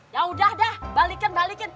ya udah deh balikin balikin